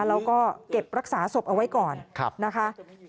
แล้วก็เก็บรักษาศพเอาไว้ก่อนนะคะ